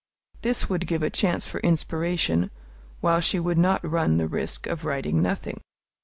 This would give a chance for inspiration, while she would not run the risk of writing nothing.